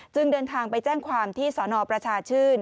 เดินทางไปแจ้งความที่สนประชาชื่น